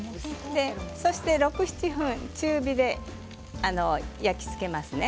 そして６、７分中火で焼き付けますね。